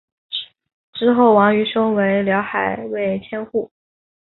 之后王瑜升为辽海卫千户。